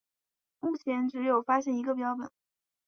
目前只有发现一个标本。